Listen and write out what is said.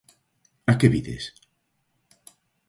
_¿A que vides?